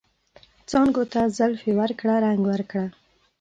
څانګو ته زلفې ورکړه ، رنګ ورکړه